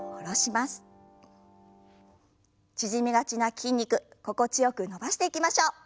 縮みがちな筋肉心地よく伸ばしていきましょう。